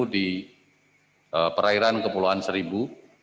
di perairan kepulauan seribu